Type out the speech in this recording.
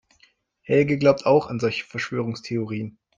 Helge glaubt auch an solche Verschwörungstheorien.